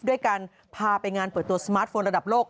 ด้วยการพาไปงานเปิดตัวสมาร์ทโฟนระดับโลก